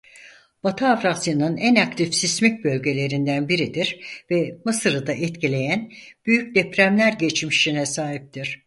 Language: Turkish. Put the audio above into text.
Batı Avrasya'nın en aktif sismik bölgelerinden biridir ve Mısır'ı da etkileyen büyük depremler geçmişine sahiptir.